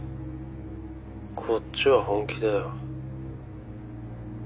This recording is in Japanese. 「こっちは本気だよ」